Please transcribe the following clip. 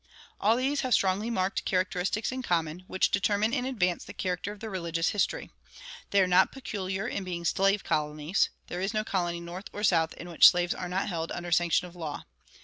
All these have strongly marked characteristics in common, which determine in advance the character of their religious history. They are not peculiar in being slave colonies; there is no colony North or South in which slaves are not held under sanction of law.